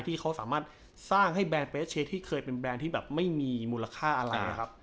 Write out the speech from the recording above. ที่เขาสามารถสร้างให้แบรนดเปสเชฟที่เคยเป็นแบรนด์ที่แบบไม่มีมูลค่าอะไรนะครับ